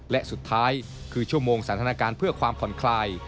และสุดท้ายคือชั่วโมงสถานการณ์เพื่อความผ่อนคลาย